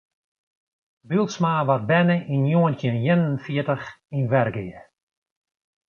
Bylsma waard berne yn njoggentjin ien en fjirtich yn Wergea.